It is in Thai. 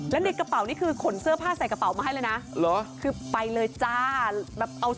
และนี่กระเป๋านี่คือขนเสื้อผ้าใส่มาให้เลยนะ